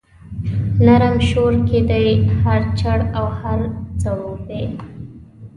نرم شور کښي دی هر چړ او هر ځړوبی